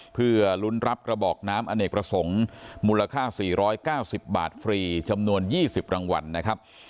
เพื่อลุ้นรับกระบอกน้ำอเนกประสงค์มูลค่า๔๙๐บาทฟรีจำนวน๒๐รางวัลนะครับ